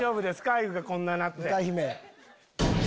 あゆがこんななって。